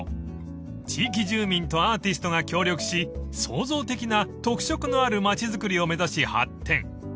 ［地域住民とアーティストが協力し創造的な特色のある町づくりを目指し発展］